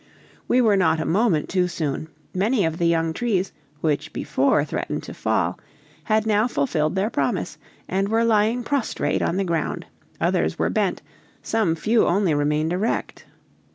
We were not a moment too soon; many of the young trees, which before threatened to fall, had now fulfilled their promise, and were lying prostrate on the ground, others were bent, some few only remained erect.